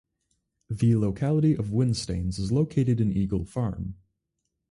The locality of Whinstanes is located in Eagle Farm.